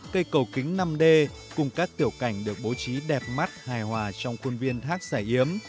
cây cầu kính năm d cùng các tiểu cảnh được bố trí đẹp mắt hài hòa trong khuôn viên thác giải yếm